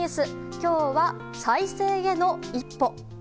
今日は再生への一歩。